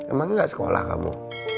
emang gak sekolah kamu